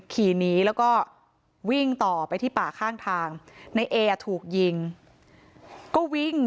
ขี่หนีแล้วก็วิ่งต่อไปที่ป่าข้างทางในเอถูกยิงก็วิ่ง